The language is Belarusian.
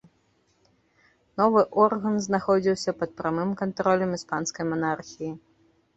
Новы орган знаходзіўся пад прамым кантролем іспанскай манархіі.